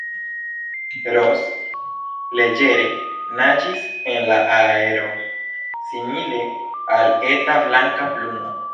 Ros leĝere naĝis en la aero, simile al eta blanka plumo.